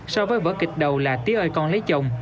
so với vỡ kịch đầu là tía ơi con lấy chồng